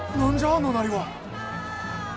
あのなりは。